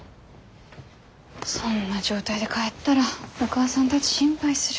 そんな状態で帰ったらお母さんたち心配する。